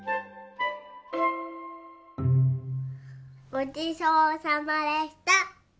ごちそうさまでした。